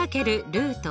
ルート２。